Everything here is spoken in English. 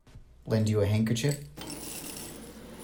Lend you a handkerchief?